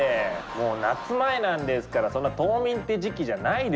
もう夏前なんですからそんな冬眠って時期じゃないですよ